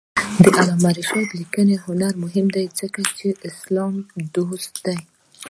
د علامه رشاد لیکنی هنر مهم دی ځکه چې اسلام دوست دی.